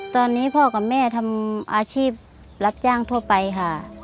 ตอนนี้พ่อกับแม่ทำอาชีพรับจ้างทั่วไปค่ะ